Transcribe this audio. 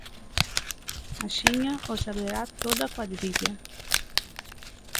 Axiña o saberá toda a cuadrilla.